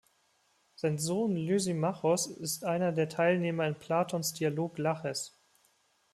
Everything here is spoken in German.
Sein Sohn Lysimachos ist einer der Teilnehmer in Platons Dialog Laches.